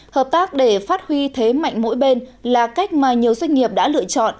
hợp tác để phát huy thế mạnh mỗi bên là cách mà nhiều doanh nghiệp đã lựa chọn